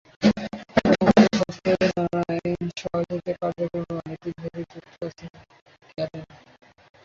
মুক্ত সফটওয়্যারের নানা আইনি সহায়তা কার্যক্রমে অনেক দিন ধরেই যুক্ত আছেন ক্যারেন।